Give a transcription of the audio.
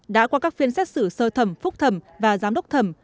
đã qua các phiên xét xử sơ thẩm phúc thẩm và giám đốc thẩm